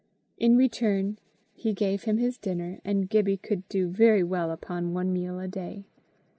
In return he gave him his dinner, and Gibbie could do very well upon one meal a day.